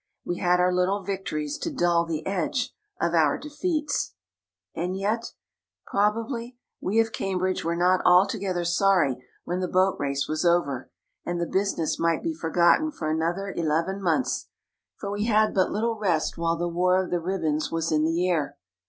We had our little victories to dull the edge of our defeats. And yet, probably, we of Cambridge were not altogether sorry when the Boat Race was over, and the business might be for gotten for another eleven months, for we had but little rest while the war of the ribbons was in the air.